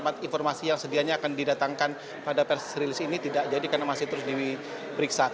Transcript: informasi yang sedianya akan didatangkan pada pers rilis ini tidak jadi karena masih terus diperiksa